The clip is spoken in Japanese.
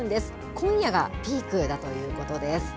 今夜がピークだということです。